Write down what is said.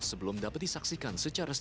sebelum dapat disaksikan